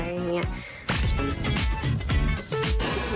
หรือว่าระเอียดขึ้นอะไรอย่างเงี้ย